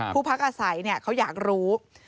พักอาศัยเขาอยากรู้